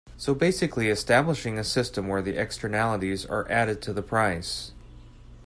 So basically establishing a system where the externalities are added to the price.